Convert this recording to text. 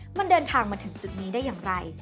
มันเดินทางมาถึงจุดนี้ได้อย่างไร